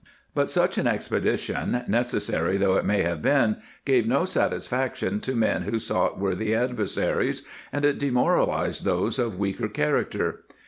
But such an expedition, necessary though it may have been, gave no satisfaction to men who sought worthy adversaries, and it demoralized those of weaker character.